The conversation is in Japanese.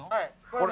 これ。